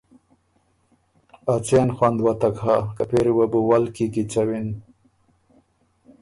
ا څېن خوند وتک هۀ که پېری وه بو ول کی کیڅوِن۔